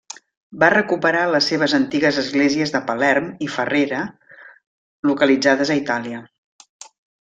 Va recuperar les seves antigues esglésies de Palerm i Ferrera localitzades a Itàlia.